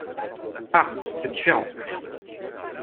Ah ! c’est différent.